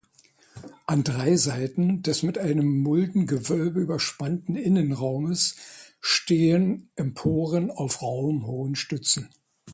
An drei Seiten des mit einem Muldengewölbe überspannten Innenraums stehen Emporen auf raumhohen Stützen.